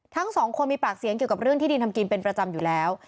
ทั้งสองคนมีปากเสียงเกี่ยวกับเรื่องที่ดินทำกินเป็นประจำอยู่แล้ว